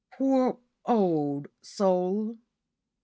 Poor old soul!